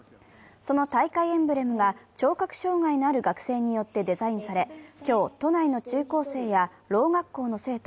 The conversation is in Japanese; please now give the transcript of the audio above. その大会エンブレムが聴覚障害のある学生によってデザインされ今日、都内の中高生やろう学校の生徒